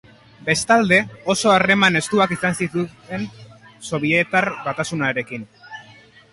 Bestalde, oso harreman estuak izan zituen Sobietar Batasunarekin.